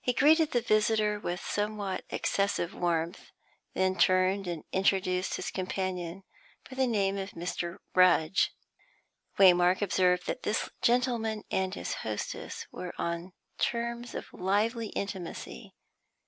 He greeted the visitor with somewhat excessive warmth, then turned and introduced his companion, by the name of Mr. Rudge. Waymark observed that this gentleman and his hostess were on terms of lively intimacy.